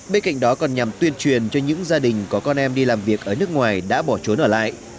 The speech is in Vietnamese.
bên cạnh đó còn nhằm tuyên truyền cho những gia đình có con em đi làm việc ở nước ngoài đã bỏ trốn ở lại